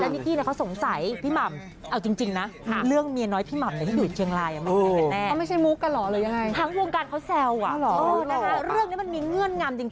และนิ็กเคี่เขาสงสัยพี่หม่ำแจงนะเรื่องเมียน้อยแม่ของพี่หม่ำให้ดูชิงไลน์ไม่แน่